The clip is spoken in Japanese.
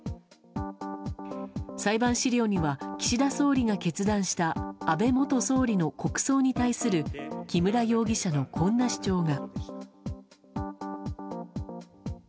裁判資料には岸田総理が決断した安倍元総理の国葬に対する木村容疑者の、こんな主張が。